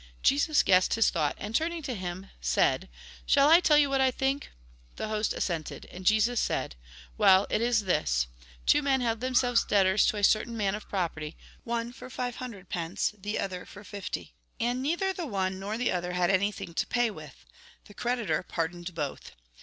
Jesus guessed his thought, and, turning to him, said :" Shall I tell you what I think ?" The host assented. And Jesus said ;" Well, it is this. Two men held them 38 THE GOSPEL IN BRIEF selves debtors to a certain man of property, one for five hundred pence, the other for fifty. And neither the one nor the other had anything to pay with. The creditor pardoned both.